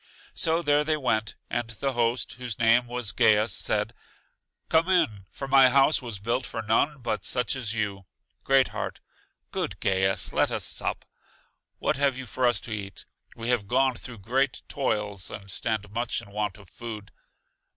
So there they went, and the host, whose name was Gaius, said: Come in, for my house was built for none but such as you. Great heart: Good Gaius, let us sup. What have you for us to eat? We have gone through great toils, and stand much in want of food.